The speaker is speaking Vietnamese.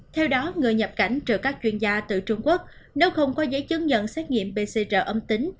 theo đó người nhập cảnh chờ các chuyên gia từ trung quốc nếu không có giấy chứng nhận xét nghiệm pcr âm tính